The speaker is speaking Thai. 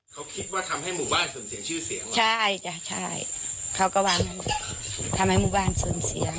เขาคิดว่าทำให้หมู่บ้านเสื่อมเสียชื่อเสียงเหรอ